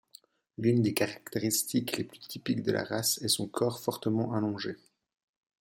L'une des caractéristiques les plus typiques de la race est son corps fortement allongé.